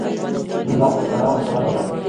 جمله په کراره کراره وايه